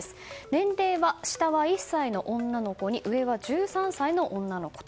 年齢は、下は１歳の女の子に上は１３歳の女の子。